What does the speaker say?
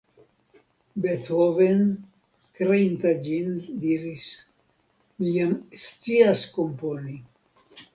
Beethoven, kreinta ĝin, diris: "Mi jam scias komponi".